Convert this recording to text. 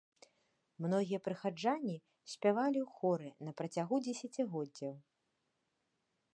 Многія прыхаджане спявалі ў хоры на працягу дзесяцігоддзяў.